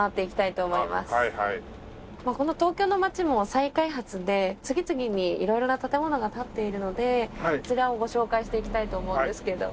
この東京の街も再開発で次々に色々な建物が建っているのでこちらをご紹介していきたいと思うんですけど。